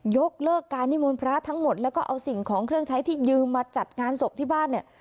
ยกเลิกการนิมนต์พระทั้งหมดแล้วก็เอาสิ่งของเครื่องใช้ที่ยืมมาจัดงานศพที่บ้านเนี่ย